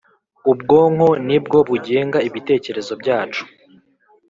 Ubwonko ni bwo bugenga ibitekerezo byacu.